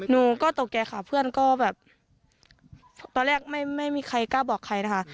หนูก็ตกใจค่ะเพื่อนก็แบบตอนแรกไม่มีใครกล้าบอกใครนะคะ